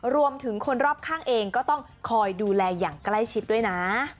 คนรอบข้างเองก็ต้องคอยดูแลอย่างใกล้ชิดด้วยนะ